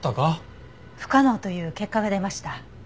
不可能という結果が出ました。